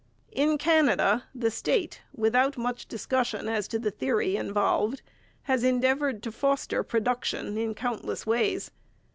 In Canada the state, without much discussion as to the theory involved, has endeavoured to foster production in countless ways.